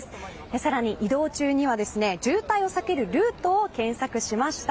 更に、移動中には渋滞を避けるルートを検索しました。